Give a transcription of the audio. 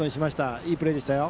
いいプレーでしたよ。